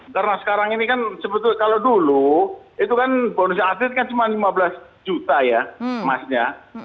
karena sekarang ini kan kalau dulu itu kan bonus atlet kan cuma lima belas juta ya emasnya